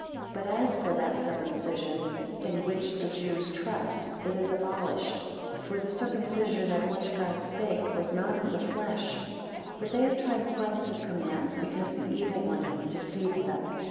But as for that circumcision, in which the Jews trust, it is abolished: for the circumcision of which God spake, was not of the flesh. 7 But they have transgressed his commands, because the evil one hath deceived them.